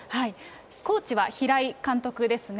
コーチは平井監督ですね。